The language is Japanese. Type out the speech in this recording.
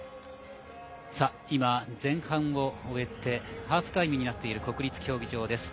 今、前半を終えてハーフタイムになっている国立競技場です。